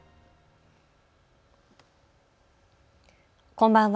こんばんは。